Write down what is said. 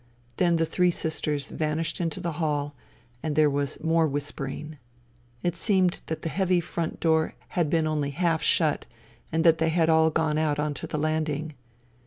Then the three sisters vanished into the hall, and there was more whispering. It seemed that the heavy front door had been only half shut and that they had all gone out on to the landing.